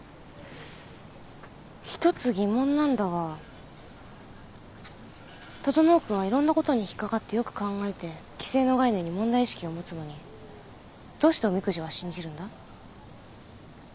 １つ疑問なんだが整君はいろんなことに引っ掛かってよく考えて既成の概念に問題意識を持つのにどうしておみくじは信じるんだ？